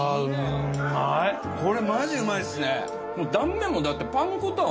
これマジうまいですね。